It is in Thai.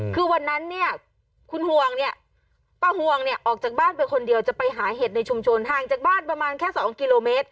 คือวันนั้นเนี่ยคุณห่วงเนี่ยป้าห่วงเนี่ยออกจากบ้านไปคนเดียวจะไปหาเห็ดในชุมชนห่างจากบ้านประมาณแค่๒กิโลเมตร